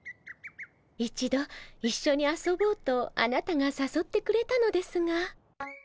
一度一緒に遊ぼうとあなたがさそってくれたのですが。